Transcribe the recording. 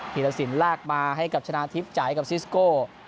ีรสินลากมาให้กับชนะทิพย์จ่ายกับซิสโก้